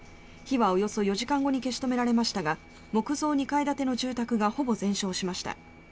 火はおよそ４時間後に消し止められましたが木造２階建ての住宅がほぼ全焼しました。